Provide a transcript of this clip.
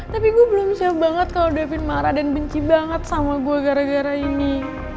tapi gue belum siap banget kalau davin marah dan benci banget sama gue gara gara ini